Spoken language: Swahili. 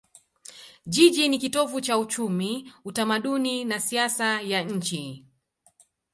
Jiji ni kitovu cha uchumi, utamaduni na siasa ya nchi.